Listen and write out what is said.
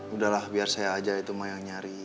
udahlah biar saya aja itu mah yang nyari